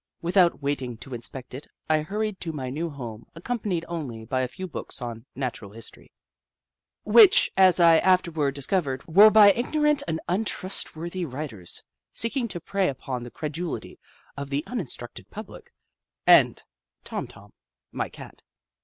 Without waiting to inspect it, I hurried to my new home, accompanied only by a few books on Natural History — which, as I afterward discovered, were by ignorant and untrustworthy writers, seeking to prey upon the credulity of the uninstructed public, — and Tom Tom, my Cat.